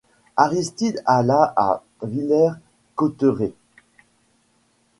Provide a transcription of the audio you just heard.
Aristide alla à Villers-Cotterets.